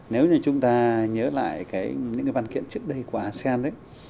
nếu như chúng ta nhớ lại những văn kiện trước đây của asean